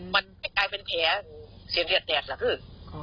มันไม่กลายเป็นเทียมเสียงเลียดแตกละคือ